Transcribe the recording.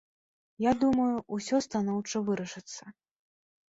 Я думаю, усё станоўча вырашыцца.